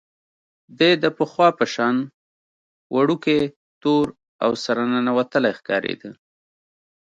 دی د پخوا په شان وړوکی، تور او سره ننوتلی ښکارېده.